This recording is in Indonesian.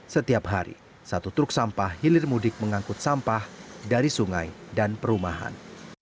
setiap hari satu truk sampah hilir mudik mengangkut sampah dari sungai dan perumahan